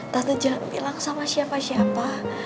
tante bilang sama siapa siapa